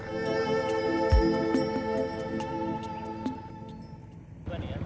pengemudi becak motor yang diangkut warga dalam perjalanan ke kota selat panjang